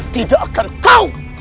tidak akan tau